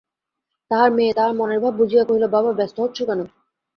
তাঁহার মেয়ে তাঁহার মনের ভাব বুঝিয়া কহিল, বাবা, ব্যস্ত হচ্ছ কেন?